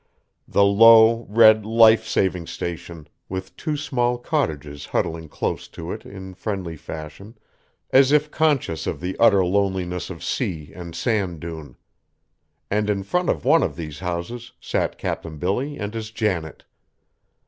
The low, red Life Saving Station, with two small cottages huddling close to it in friendly fashion, as if conscious of the utter loneliness of sea and sand dune. And in front of one of these houses sat Cap'n Billy and his Janet!